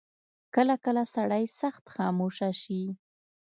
کله کله سړی سخت خاموشه شي.